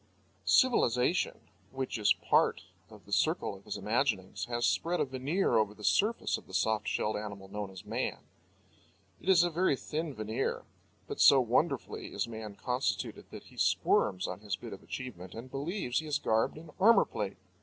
Civilization (which is part of the circle of his imaginings) has spread a veneer over the surface of the soft shelled animal known as man. It is a very thin veneer; but so wonderfully is man constituted that he squirms on his bit of achievement and believes he is garbed in armour plate.